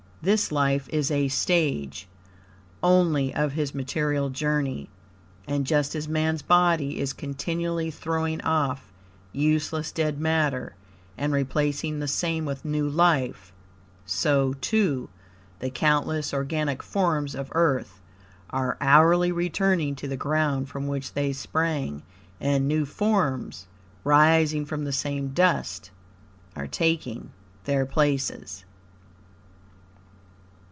This life is a stage, only, of his material journey; and, just as Man's body is continually throwing off useless dead matter and replacing the same with new life, so, too, the countless organic forms of Earth are hourly returning to the ground from which they sprang, and new forms, rising from the same dust, are taking their places.